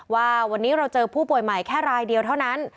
ว่าวันนี้เราเจอผู้ป่วยใหม่แค่รายเดียวเท่านั้น